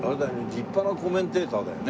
立派なコメンテーターだよね。